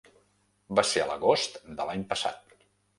Va ser a l’agost de l’any passat.